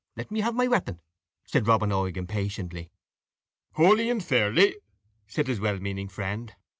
let me have my weapon," said Robin Oig, impatiently. "Hooly and fairly," said his well meaning friend.